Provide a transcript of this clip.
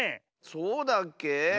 そうだっけ？